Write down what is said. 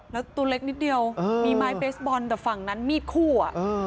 แล้วตัวเล็กนิดเดียวมีไม้เบสบอลแต่ฝั่งนั้นมีดคู่อ่ะ